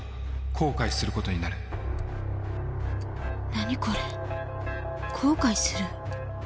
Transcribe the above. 何これ「後悔する」？